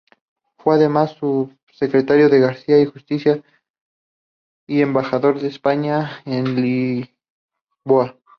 Fue además subsecretario de Gracia y Justicia y embajador de España en Lisboa.